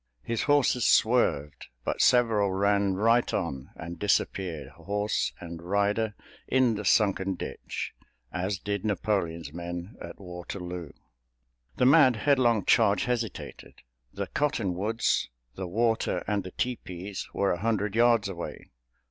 His horses swerved, but several ran right on and disappeared, horse and rider in the sunken ditch, as did Napoleon's men at Waterloo. The mad, headlong charge hesitated. The cottonwoods, the water and the teepees were a hundred yards away.